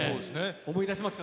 想い出しますか？